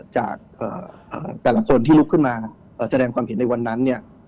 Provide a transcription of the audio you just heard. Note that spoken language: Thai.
จากแต่ละคนที่ลุกขึ้นมาแสดงความเห็นในวันนั้นเนี่ย